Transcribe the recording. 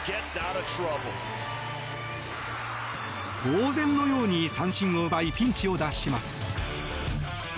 当然のように三振を奪いピンチを脱します。